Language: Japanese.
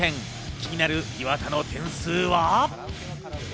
気になる岩田の点数は。